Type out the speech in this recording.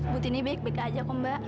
butini baik baik aja komba